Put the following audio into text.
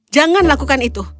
jangan lakukan itu